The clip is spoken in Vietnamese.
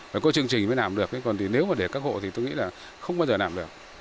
phải có chương trình mới làm được còn thì nếu mà để các hộ thì tôi nghĩ là không bao giờ làm được